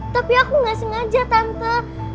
tapi aku nggak sengaja tante